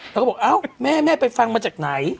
แล้วก็บอกแม่ไปฟังมาจากไหน